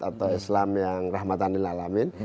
atau islam yang rahmatanil alamin